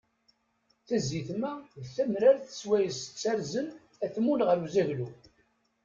Tazitma d tamrart s wayes ttarzen atmun ɣer uzaglu.